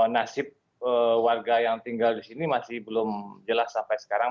nasib warga yang tinggal di sini masih belum jelas sampai sekarang